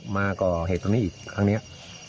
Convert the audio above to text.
มาก่อเหตุตรงนี้อีกครั้งนี้